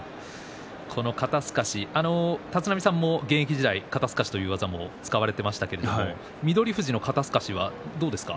この肩すかし、立浪さんも現役時代、肩すかしという技を使われていましたけれども翠富士の肩すかしはどうですか？